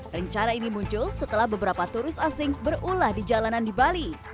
rencana ini muncul setelah beberapa turus asing berulah di jalanan di bali